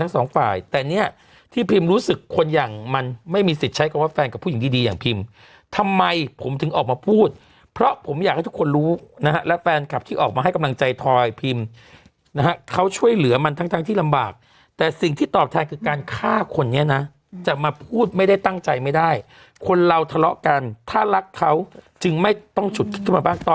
สองฝ่ายแต่เนี่ยที่พิมรู้สึกคนอย่างมันไม่มีสิทธิ์ใช้คำว่าแฟนกับผู้หญิงดีดีอย่างพิมทำไมผมถึงออกมาพูดเพราะผมอยากให้ทุกคนรู้นะฮะและแฟนคลับที่ออกมาให้กำลังใจทอยพิมนะฮะเขาช่วยเหลือมันทั้งทั้งที่ลำบากแต่สิ่งที่ตอบแทนคือการฆ่าคนนี้นะจะมาพูดไม่ได้ตั้งใจไม่ได้คนเราทะเลาะกันถ้ารักเขาจึงไม่ต้องฉุดคิดขึ้นมาบ้างต